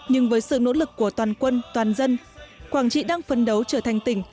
nhưng với sự nỗ lực của toàn quân toàn dân quảng trị đang phấn đấu trở thành tỉnh